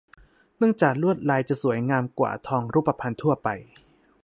เนื่องจากลวดลายจะสวยงามกว่าทองรูปพรรณทั่วไป